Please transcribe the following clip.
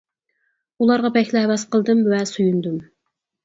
ئۇلارغا بەكلا ھەۋەس قىلدىم ۋە سۆيۈندۈم.